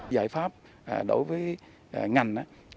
giải pháp đối với ngành